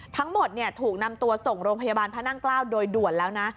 ทั้งหมดถูกนำตัวส่งโรงพยาบาลพระนั่งเกล้าโดยด่วนแล้วนะ